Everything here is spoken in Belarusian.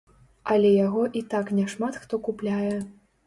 Але яго і так няшмат хто купляе.